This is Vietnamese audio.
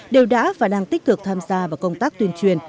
đều đã và đang tích cực tham gia vào công tác tuyên truyền